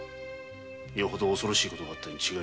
よほど恐ろしい事があったんだ。